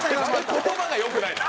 言葉が良くないな。